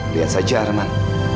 lihat saja arman